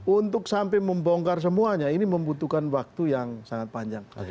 untuk sampai membongkar semuanya ini membutuhkan waktu yang sangat panjang